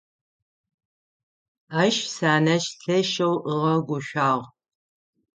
Ащ сянэжъ лъэшэу ыгъэгушӀуагъ.